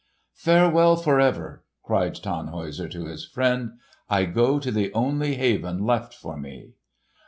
"Farewell, forever!" cried Tannhäuser to his friend. "I go to the only haven left for me."